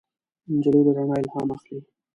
نجلۍ له رڼا الهام اخلي.